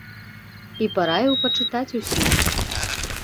І параіў пачытаць усім.